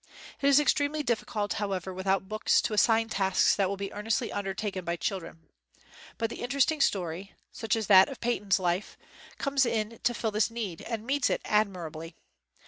It is extremely difficult, however, without books to assign tasks that will be earnestly under taken by children. But the interesting story, such as that of Paton's life, comes in to fill this need, and meets it admirably.